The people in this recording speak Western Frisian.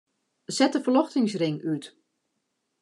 Set de ferljochtingsring út.